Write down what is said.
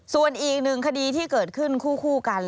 ส่วนอีกหนึ่งคดีที่เกิดขึ้นคู่กัน